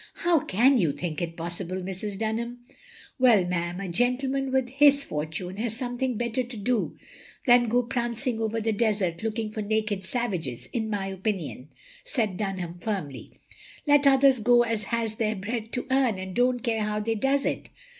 "How can you think it possible, Mrs. Dunham?" "Well ma'am, a gentleman with his fortune has something better to do than go prancing over the desert looking for naked savages — ^in my opinion," said Dunham, firmly. "Let others go as has their bread to earn and don't care how they does it.